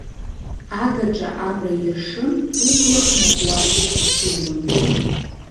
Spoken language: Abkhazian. Агаҿа амра иаршын, убла хнакуа ицырцыруан.